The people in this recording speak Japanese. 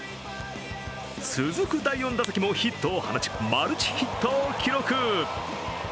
続く第４打席もヒットを放ちマルチヒットを記録。